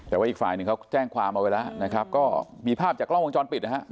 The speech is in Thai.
แต่ว่าอีกฝ่ายหนึ่งเขาแจ้งความเอาไว้แล้วนะครับก็มีภาพจากกล้องวงจรปิดนะฮะ